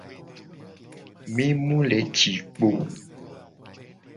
Mi mu le ci kpo o.